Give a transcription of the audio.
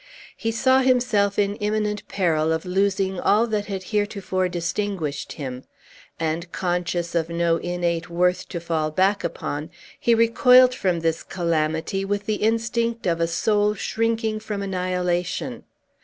He saw himself in imminent peril of losing all that had heretofore distinguished him; and, conscious of no innate worth to fall back upon, he recoiled from this calamity with the instinct of a soul shrinking from annihilation.